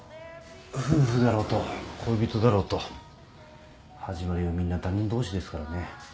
夫婦だろうと恋人だろうと始まりはみんな他人同士ですからね。